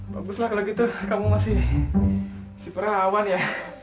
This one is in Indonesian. bagus lah kalo gitu kamu masih perawan ya